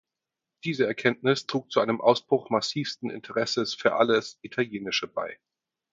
Diese Erkenntnis trug zu einem Ausbruch massivsten Interesses für alles Italienische bei.